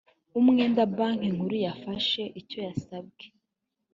umwenda banki nkuru yafashe icyo yasabwe